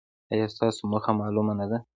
ایا ستاسو موخه معلومه نه ده؟